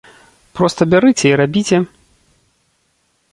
Проста бярыце і рабіце!